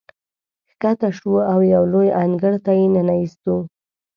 ښکته شوو او یو لوی انګړ ته یې ننه ایستو.